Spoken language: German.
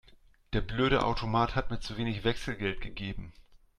Der blöde Automat hat mir zu wenig Wechselgeld gegeben.